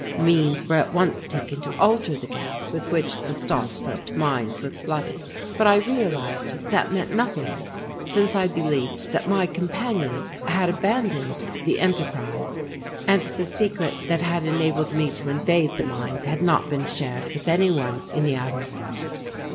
Means were at once taken to alter the gas with which the Stassfurt mines were flooded, but I realized that meant nothing since I believed that my companions had abandoned the enterprise and the secret that had enabled me to invade mines had not been shared with any one in the outer world.